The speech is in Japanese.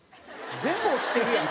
全部落ちてるやん。